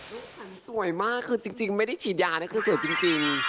ฉันสวยมากคือจริงไม่ได้ฉีดยานะคือสวยจริง